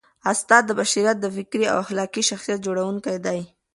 استاد د بشریت د فکري او اخلاقي شخصیت جوړوونکی دی.